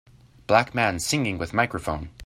Black man singing with microphone